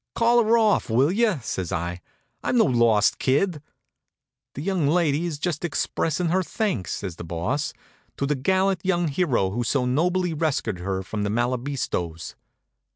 "Call her off, will you?" says I. "I'm no lost kid." "The young lady is just expressing her thanks," says the Boss, "to the gallant young hero who so nobly rescued her from the Malabistos.